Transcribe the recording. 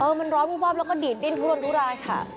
มันร้อนวูบวาบแล้วก็ดีดดิ้นทุรนทุรายค่ะ